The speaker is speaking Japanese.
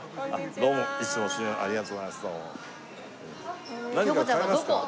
どうもいつもありがとうございます。